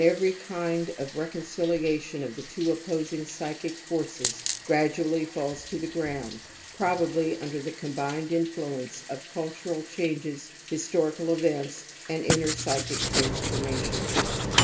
INFANTILE RECURRENCE OF TOTEMISM 258 every kind of reconciliation of the two opposing psychic forces gradually falls to the ground, probably under the combined influence of cul tural changes, historical events, and inner psy chic transformations.